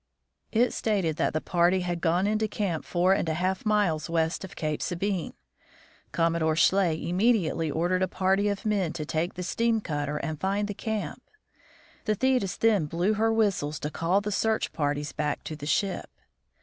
It stated that the party had gone into camp four and a half miles west of Cape Sabine. Commodore Schley immediately ordered a party of men to take the steam cutter and find the camp. The Thetis then blew her whistles to call the search parties back to the ship.